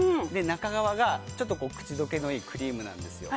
中側が口溶けのいいクリームなんですよ。